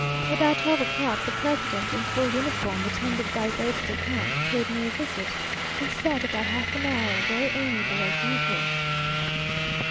About twelve o'clock the president, in full uniform, attended by his aides de camp, paid me a visit, and sat about half an hour, very amiable as usual.